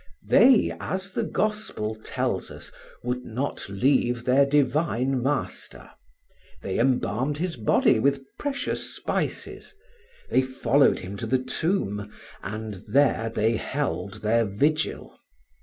They, as the Gospel tells us, would not leave their divine Master; they embalmed His body with precious spices; they followed Him to the tomb, and there they held their vigil.